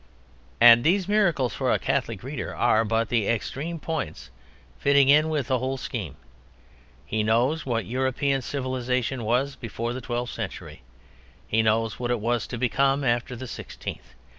And these miracles, for a Catholic reader, are but the extreme points fitting in with the whole scheme. He knows what European civilization was before the twelfth century. He knows what it was to become after the sixteenth.